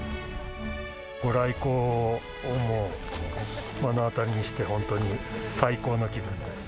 御来光も目の当たりにして、本当に最高の気分です。